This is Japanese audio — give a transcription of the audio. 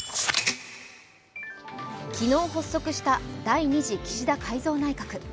昨日発足した第２次岸田改造内閣。